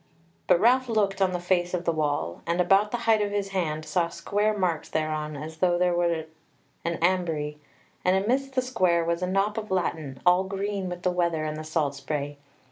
But Ralph looked on the face of the wall, and about the height of his hand saw square marks thereon, as though there were an ambrye; and amidst the square was a knop of latten, all green with the weather and the salt spray.